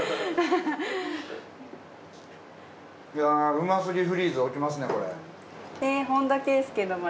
うますぎフリーズ起きますねこれ。